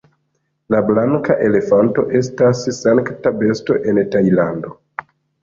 La blanka elefanto estas sankta besto en Tajlando.